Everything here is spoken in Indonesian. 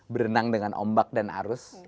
berenang dengan ombak dan arus